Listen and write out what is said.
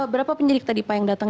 berapa penyidik tadi pak yang datang